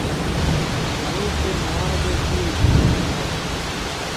معوذ تے معاذے کُورِی دِیچھی گزار